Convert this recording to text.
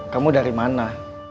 kamu dari mana